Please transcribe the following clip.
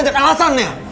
kamu banyak alasannya